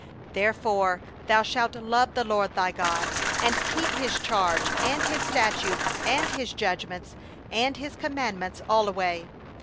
Therefore thou shalt love the LORD thy God, and keep His charge, and His statutes, and His ordinances, and His commandments, alway.